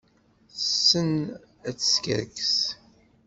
Tessen ad teskerkes.